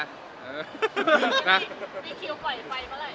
มีคิวไฟเมื่อไหร่